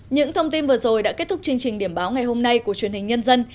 những thông tin vừa rồi đã kết thúc chương trình điểm báo ngày hôm nay của truyền hình nhân dân